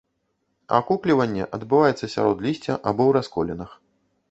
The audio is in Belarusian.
Акукліванне адбываецца сярод лісця або ў расколінах.